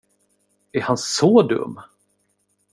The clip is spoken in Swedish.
Är han så dum?